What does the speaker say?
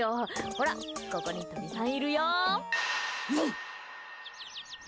ほら、ここに鳥さんいるよ。